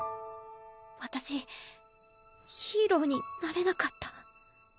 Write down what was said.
わたしヒーローになれなかった